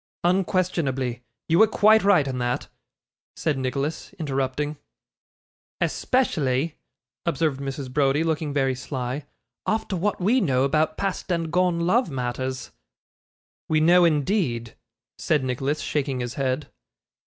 'Unquestionably. You were quite right in that,' said Nicholas, interrupting. 'Especially,' observed Mrs. Browdie, looking very sly, 'after what we know about past and gone love matters.' 'We know, indeed!' said Nicholas, shaking his head.